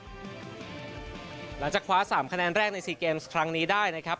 หลังจากคว้า๓คะแนนแรกใน๔เกมส์ครั้งนี้ได้นะครับ